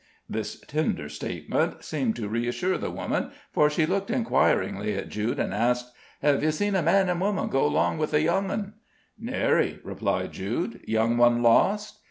This tender statement seemed to reassure the woman, for she looked inquiringly at Jude, and asked: "Have ye seen a man and woman go 'long with a young one? "Nary," replied Jude. "Young one lost?"